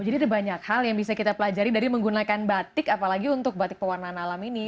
jadi ada banyak hal yang bisa kita pelajari dari menggunakan batik apalagi untuk batik pewarnaan alam ini